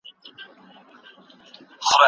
شپږ څلويښت اوو څلويښت اته څلويښت نه څلويښت پنځوس